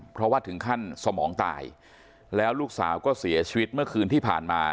เพราะว่าถึงขั้นสมองตายแล้วลูกสาวก็เสียชีวิตเมื่อคืนที่ผ่านมา